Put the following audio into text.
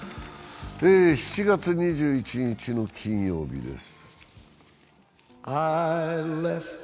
７月２１日の金曜日です。